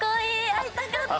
会いたかった！